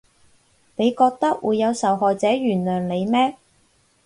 你覺得會有受害者原諒你咩？